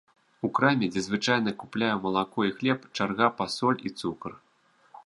У краме, дзе звычайна купляю малако і хлеб, чарга па соль і цукар.